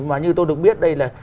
mà như tôi được biết đây là